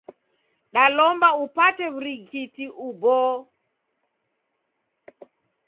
Dalomba upate w'urighiti uboo.